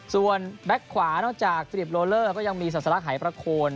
ส่วนแบ็คขวานอกจากฟิลิปโลเลอร์ก็ยังมีศาสลักหายประโคน